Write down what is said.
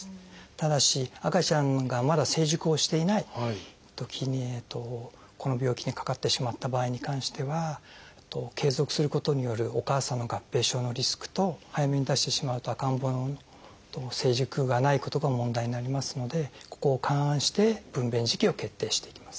ただし赤ちゃんがまだ成熟をしていないときにこの病気にかかってしまった場合に関しては継続することによるお母さんの合併症のリスクと早めに出してしまうと赤ん坊の成熟がないことが問題になりますのでここを勘案して分娩時期を決定していきます。